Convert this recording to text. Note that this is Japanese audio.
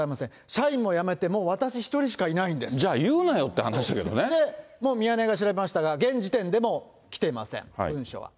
社員も辞めてもう私一人しかいなじゃあ言うなよっていう話だミヤネ屋が調べましたが、現時点でも来てません、文書は。